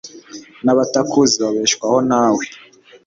n'abatakuzi babeshwaho nawe